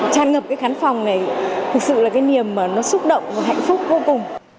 tràn ngập cái khán phòng này thực sự là cái niềm mà nó xúc động và hạnh phúc vô cùng